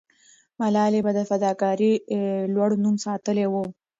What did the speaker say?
ملالۍ به د فداکارۍ لوړ نوم ساتلې وو.